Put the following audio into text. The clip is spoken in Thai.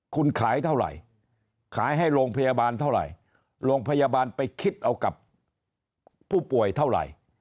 คุณขายเท่าไหร่ขายให้โรงพยาบาลเท่าไหร่โรงพยาบาลไปคิดเอากับผู้ป่วยเท่าไหร่